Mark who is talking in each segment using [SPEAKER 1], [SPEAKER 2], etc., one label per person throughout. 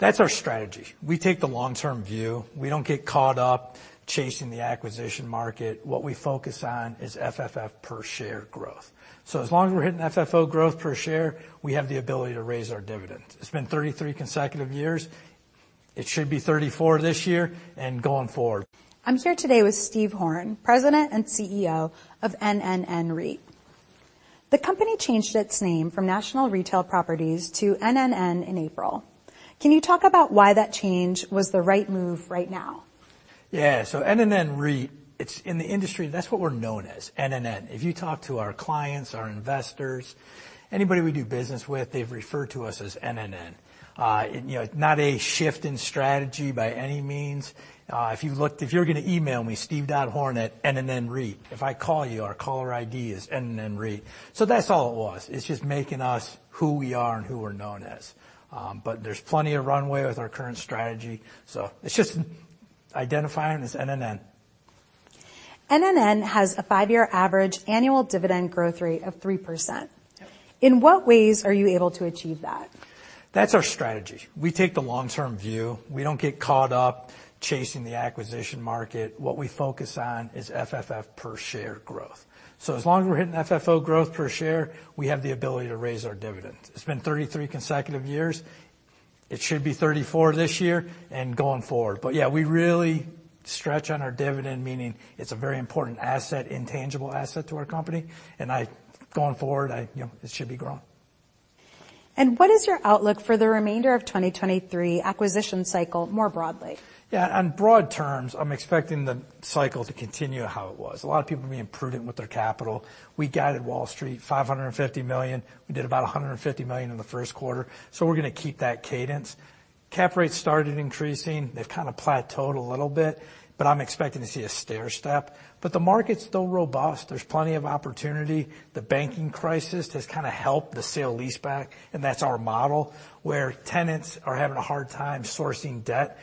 [SPEAKER 1] That's our strategy. We take the long-term view. We don't get caught up chasing the acquisition market. What we focus on is FFO per share growth. As long as we're hitting FFO growth per share, we have the ability to raise our dividend. It's been 33 consecutive years. It should be 34 this year and going forward.
[SPEAKER 2] I'm here today with Steve Horn, President and CEO of NNN REIT. The company changed its name from National Retail Properties to NNN in April. Can you talk about why that change was the right move right now?
[SPEAKER 1] Yeah. NNN REIT, it's in the industry, that's what we're known as, NNN. If you talk to our clients, our investors, anybody we do business with, they've referred to us as NNN. you know, not a shift in strategy by any means. If you're gonna email me, steve.horn@nnnreit.com. If I call you, our caller ID is NNN REIT. That's all it was. It's just making us who we are and who we're known as. There's plenty of runway with our current strategy, so it's just identifying as NNN.
[SPEAKER 2] NNN has a 5-year average annual dividend growth rate of 3%.
[SPEAKER 1] Yep.
[SPEAKER 2] In what ways are you able to achieve that?
[SPEAKER 1] That's our strategy. We take the long-term view. We don't get caught up chasing the acquisition market. What we focus on is FFO per share growth. As long as we're hitting FFO growth per share, we have the ability to raise our dividend. It's been 33 consecutive years. It should be 34 this year and going forward. Yeah, we really stretch on our dividend, meaning it's a very important asset, intangible asset to our company, and I going forward, I, you know, it should be growing.
[SPEAKER 2] What is your outlook for the remainder of 2023 acquisition cycle, more broadly?
[SPEAKER 1] On broad terms, I'm expecting the cycle to continue how it was. A lot of people are being prudent with their capital. We guided Wall Street, $550 million. We did about $150 million in the Q1, we're gonna keep that cadence. Cap rates started increasing. They've kind of plateaued a little bit, I'm expecting to see a stair step. The market's still robust. There's plenty of opportunity. The banking crisis has kinda helped the sale-leaseback, that's our model, where tenants are having a hard time sourcing debt.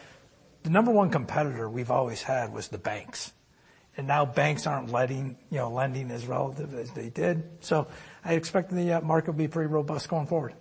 [SPEAKER 1] The number one competitor we've always had was the banks, now banks aren't letting, you know, lending as relative as they did. I expect the market to be pretty robust going forward.